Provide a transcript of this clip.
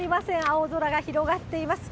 青空が広がっています。